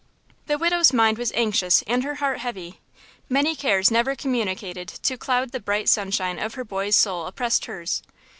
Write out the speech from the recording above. The window's mind was anxious and her heart heavy; many cares never communicated to cloud the bright sunshine of her boy's soul oppressed hers.